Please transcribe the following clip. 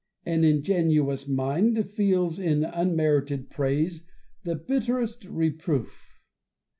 An ingenuous mind feels in unmerited praise the bitterest reproof.